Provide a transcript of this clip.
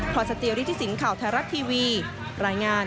พร้อมสัตเจียวดิทิศินย์ข่าวไทรรัติทีวีรายงาน